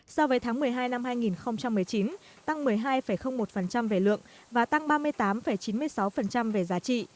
so với tháng một mươi hai năm hai nghìn một mươi chín tăng một mươi hai một về lượng và tăng ba mươi tám chín mươi sáu về giá trị